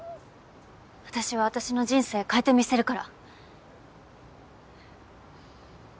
私は私の人生変えてみせるから。